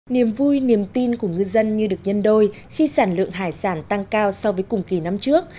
niềm vui niềm tin của ngư dân như được nhân đôi khi sản lượng hải sản tăng cao so với cùng kỳ năm trước